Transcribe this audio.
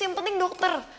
yang penting dokter